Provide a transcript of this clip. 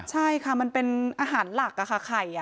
ใช่ค่ะมันเป็นอาหารหลักค่ะไข่